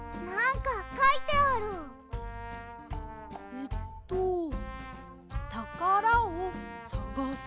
えっと「たからをさがせ」？